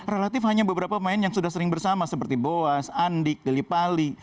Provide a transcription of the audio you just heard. relatif hanya beberapa pemain yang sudah sering bersama seperti boas andik delipali